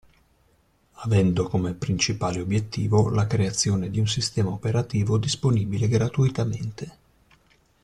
Avendo come principale obiettivo la creazione di un sistema operativo disponibile gratuitamente.